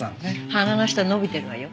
鼻の下伸びてるわよ。